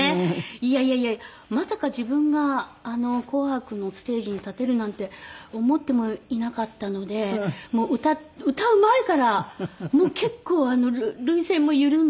いやいやいやまさか自分があの『紅白』のステージに立てるなんて思ってもいなかったので歌う前から結構涙腺も緩んでいて。